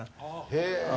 へえ！